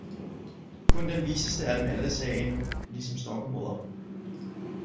kun den Viseste af dem Alle sagde endnu, ligesom Storkemoder.